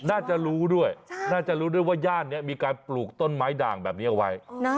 น่าจะรู้ด้วยน่าจะรู้ด้วยว่าย่านนี้มีการปลูกต้นไม้ด่างแบบนี้เอาไว้